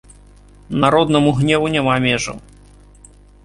Народнаму гневу няма межаў.